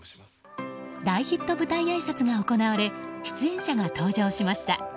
大ヒット舞台あいさつが行われ出演者が登場しました。